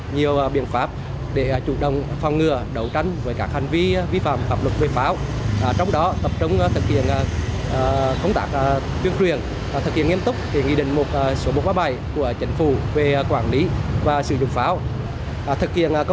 nhiều biện pháp để chủ động phòng ngừa đấu tranh với các hành vi vi phạm tập luật về pháo